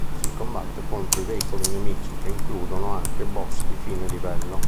Si combatte contro i veicoli nemici, che includono anche boss di fine livello.